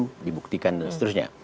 dugaan hukum dibuktikan dan seterusnya